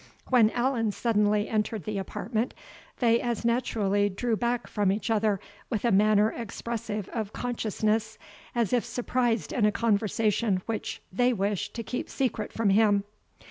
When Allan suddenly entered the apartment, they as naturally drew back from each other with a manner expressive of consciousness, as if surprised in a conversation which they wished to keep secret from him.